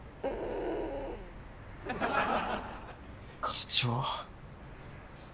課長。